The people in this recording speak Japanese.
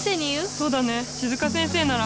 そうだね静香先生なら。